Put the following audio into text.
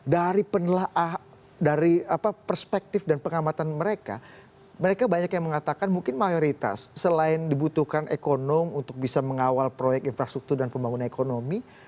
dari perspektif dan pengamatan mereka mereka banyak yang mengatakan mungkin mayoritas selain dibutuhkan ekonomi untuk bisa mengawal proyek infrastruktur dan pembangunan ekonomi